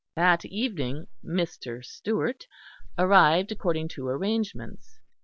That evening "Mr. Stewart" arrived according to arrangements.